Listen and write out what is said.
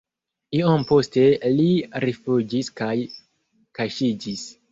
Iom poste li rifuĝis kaj kaŝiĝis.